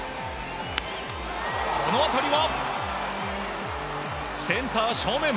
この当たりはセンター正面。